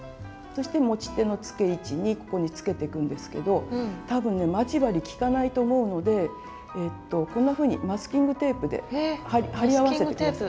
そして持ち手のつけ位置にここにつけていくんですけど多分ね待ち針きかないと思うのでこんなふうにマスキングテープで貼り合わせて下さい。